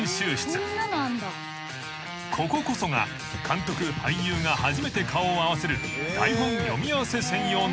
［こここそが監督俳優が初めて顔を合わせる］